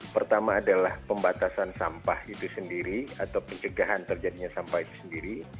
pertama adalah pembatasan sampah itu sendiri atau pencegahan terjadinya sampah itu sendiri